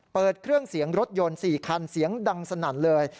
เปิดเครื่องเสียงรถยนต์๔คันเสียงดังสนั่นเลย